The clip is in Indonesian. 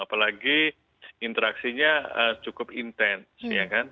apalagi interaksinya cukup intens ya kan